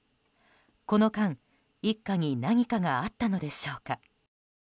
この間、一家に何かがあったのでしょうか。